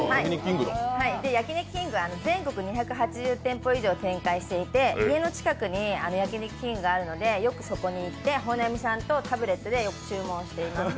全国２８０店舗以上展開していて家の近くに焼肉きんぐがあるので、よくそこに行って本並さんとタブレットでよく注文しています。